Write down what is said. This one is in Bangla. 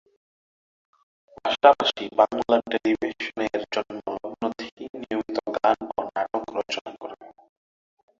পাশাপাশি বাংলাদেশ টেলিভিশনের জন্মলগ্ন থেকেই নিয়মিত গান ও নাটক রচনা করেন।